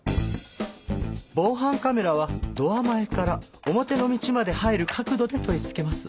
防犯カメラはドア前から表の道まで入る角度で取り付けます。